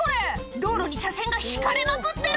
道路に車線が引かれまくってる！